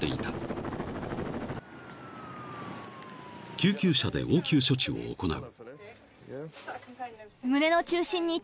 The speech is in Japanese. ［救急車で応急処置を行う］